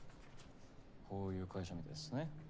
こういう会社みたいっすね。